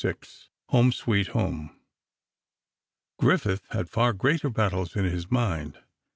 VI "HOME, SWEET HOME" Griffith had far greater battles in his mind.